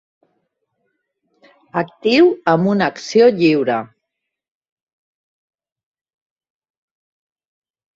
Actiu amb una acció lliure.